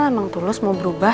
tapi mel emang tulus mau berubah